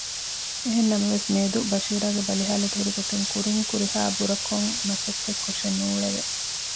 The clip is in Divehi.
އެހެންނަމަވެސް މިއަދު ބަޝީރާގެ ބަލިހާލަތު ހުރިގޮތުން ކުރިން ކުރިހާ ބުރަކޮން މަސައްކަތް ކޮށެއް ނޫޅެވެ